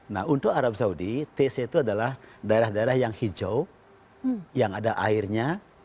nah untuk arab saudi taste itu adalah daerah daerah yang hijau yang ada airnya